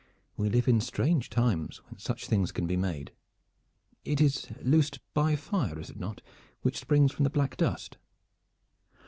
"We live in strange times when such things can be made. It is loosed by fire, is it not, which springs from the black dust?"